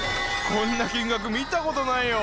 ・こんな金額見たことないよ。